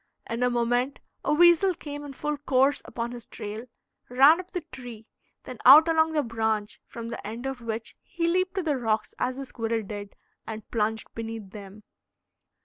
In a moment a weasel came in full course upon his trail, ran up the tree, then out along the branch, from the end of which he leaped to the rocks as the squirrel did, and plunged beneath them.